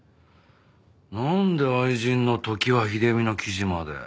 なんで愛人の常盤秀美の記事まで。